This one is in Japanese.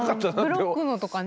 ブロックのとかね。